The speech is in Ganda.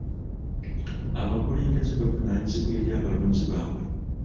Abakulembeze bavunaanyizibwa eri abaloonzi baabwe .